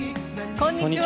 こんにちは。